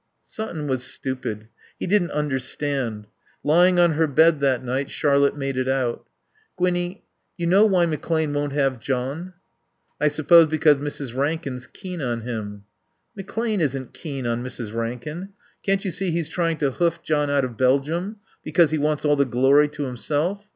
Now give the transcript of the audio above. Sutton was stupid. He didn't understand. Lying on her bed that night Charlotte made it out. "Gwinnie you know why McClane won't have John?" "I suppose because Mrs. Rankin's keen on him." "McClane isn't keen on Mrs. Rankin.... Can't you see he's trying to hoof John out of Belgium, because he wants all the glory to himself?